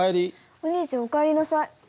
お兄ちゃんお帰りなさい。